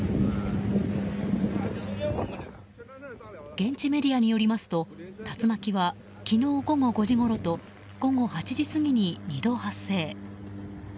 現地メディアによりますと竜巻は、昨日午後５時ごろと午後８時過ぎに２度発生。